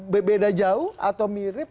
beda jauh atau mirip